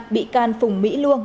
bị can phùng mỹ luông